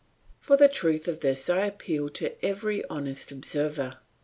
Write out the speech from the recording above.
For the truth of this I appeal to every honest observer.